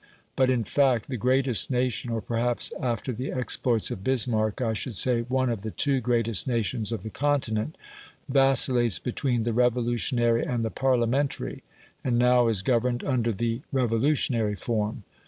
But, in fact, the greatest nation (or, perhaps, after the exploits of Bismarck, I should say one of the two greatest nations of the Continent) vacillates between the Revolutionary and the Parliamentary, and now is governed under the Revolutionary form.